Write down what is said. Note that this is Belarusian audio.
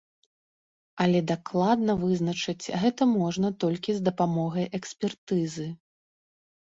Але дакладна вызначыць гэта можна толькі з дапамогай экспертызы.